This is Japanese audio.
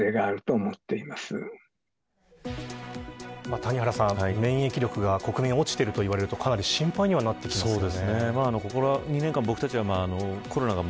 谷原さん、免疫力が国民落ちているといわれるとかなり心配にはなってきますよね。